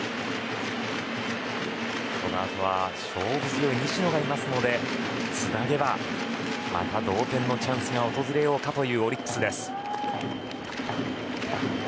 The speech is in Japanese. このあとは勝負強い西野がいますのでつなげば、また同点のチャンスが訪れようかというオリックス。